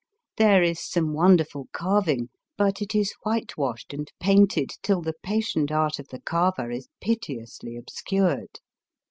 There is some wonderful carving, but it is whitewashed and painted tiU the patient art of the carver is piteously obscured.